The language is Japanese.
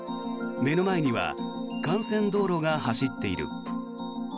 目の前には幹線道路が走っている。